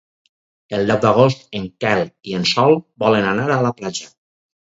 El deu d'agost en Quel i en Sol volen anar a la platja.